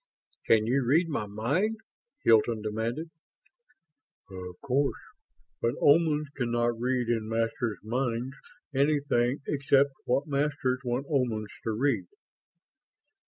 "Can you read my mind?" Hilton demanded. "Of course; but Omans can not read in Masters' minds anything except what Masters want Omans to read."